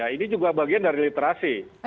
ini juga bagian dari literasi